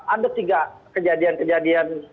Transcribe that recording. ada tiga kejadian kejadian